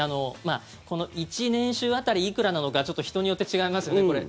１年収当たりいくらなのか人によって違いますよね、これ。